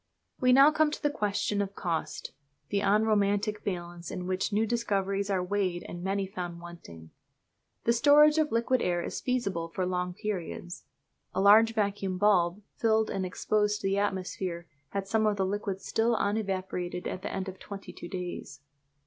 We now come to the question of cost the unromantic balance in which new discoveries are weighed and many found wanting. The storage of liquid air is feasible for long periods. (A large vacuum bulb filled and exposed to the atmosphere had some of the liquid still unevaporated at the end of twenty two days.)